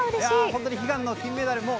本当に悲願の金メダル。